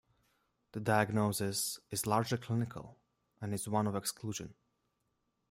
The diagnosis is largely clinical and is one of exclusion.